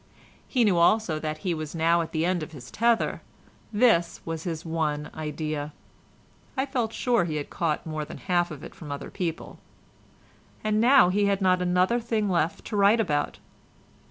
He knew also that he was now at the end of his tether; this was his one idea (I feel sure he had caught more than half of it from other people), and now he had not another thing left to write about.